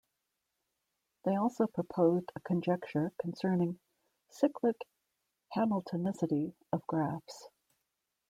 They also proposed a conjecture concerning "cyclic Hamiltonicity" of graphs.